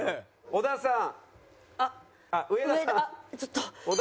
植田さん